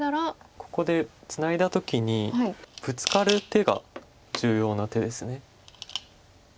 ここでツナいだ時にブツカる手が重要な手です。